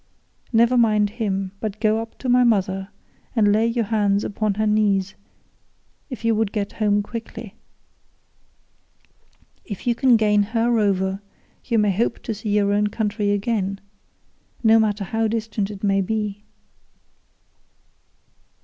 Never mind him, but go up to my mother, and lay your hands upon her knees if you would get home quickly. If you can gain her over, you may hope to see your own country again, no matter how distant it may be."